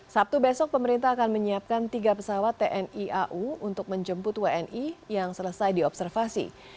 sabtu besok pemerintah akan menyiapkan tiga pesawat tni au untuk menjemput wni yang selesai diobservasi